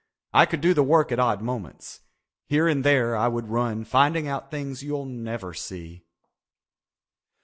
I could do the work at odd moments. Here and there I would run finding out things you'll never see."